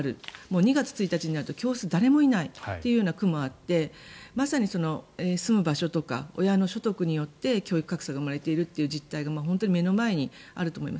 ２月１日になると教室、誰もいないという区もあってまさに、住む場所とか親の所得によって教育格差が生まれている実態が目の前にあると思います。